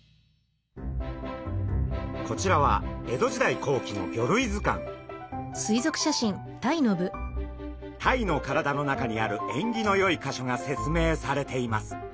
こちらは江戸時代後期のタイの体の中にある縁起のよいかしょが説明されています。